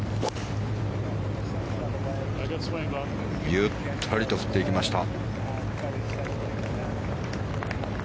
ゆったりと振っていきました。